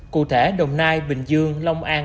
cụ thể đồng nai bình dương long an